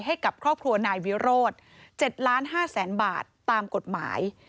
ให้กับครอบครัวนายวิโรธ๗๕๐๐๐๐บาทตามกฎหมาย